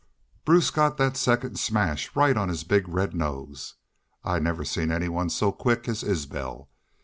Bruce got thet second smash right on his big red nose.... I never seen any one so quick as Isbel.